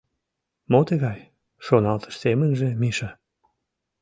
— Мо тыгай? — шоналтыш семынже Миша.